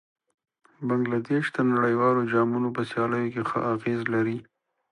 بنګله دېش د نړیوالو جامونو په سیالیو کې ښه اغېز لري.